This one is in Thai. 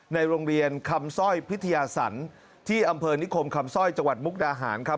ในโรงเรียนคำสร้อยพิทยาสันที่อำเภอนิคมคำสร้อยจังหวัดมุกดาหารครับ